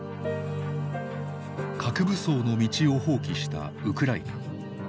核武装の道を放棄したウクライナ。